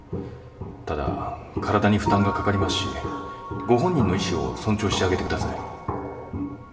ただ体に負担がかかりますしご本人の意思を尊重してあげてください。